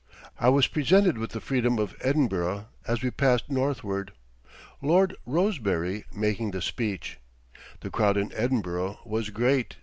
I was presented with the Freedom of Edinburgh as we passed northward Lord Rosebery making the speech. The crowd in Edinburgh was great.